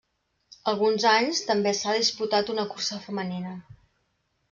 Alguns anys també s'ha disputat una cursa femenina.